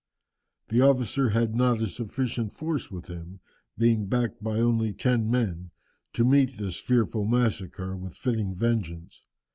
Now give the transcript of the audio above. The officer had not a sufficient force with him, being backed by only ten men, to meet this fearful massacre with fitting vengeance.